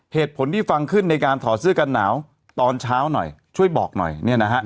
เหตุผลที่ฟังขึ้นในการถอดเสื้อกันหนาวตอนเช้าหน่อยช่วยบอกหน่อยเนี่ยนะฮะ